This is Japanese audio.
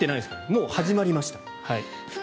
もう始まりました。